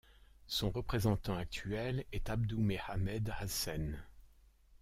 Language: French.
Son représentant actuel est Abdu Mehammed Hassen.